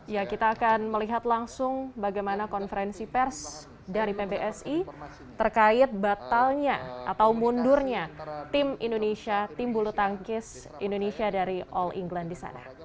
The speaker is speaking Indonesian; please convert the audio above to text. ya kita akan melihat langsung bagaimana konferensi pers dari pbsi terkait batalnya atau mundurnya tim indonesia tim bulu tangkis indonesia dari all england di sana